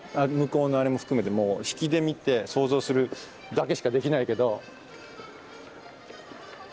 向こうのあれも含めてもう引きで見て想像するだけしかできないけど。